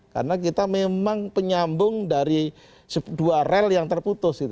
karena kita memang penyambung dari dua rel yang terputus